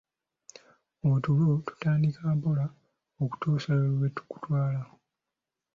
Otulo tutandika mpola okutuusa lwe tukutwala.